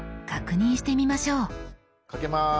かけます。